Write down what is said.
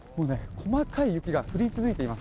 細かい雪が降り続いています。